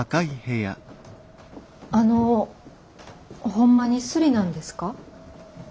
あのホンマにスリなんですか？